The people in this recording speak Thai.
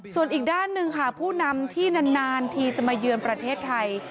ส่วนอีกด้านหนึ่งค่ะผู้นำที่นานทีจะมาเยือนประเทศไทย